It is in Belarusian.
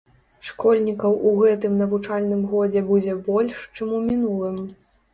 Школьнікаў у гэтым навучальным годзе будзе больш, чым у мінулым.